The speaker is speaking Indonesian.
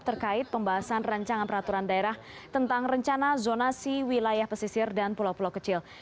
terkait pembahasan rancangan peraturan daerah tentang rencana zonasi wilayah pesisir dan pulau pulau kecil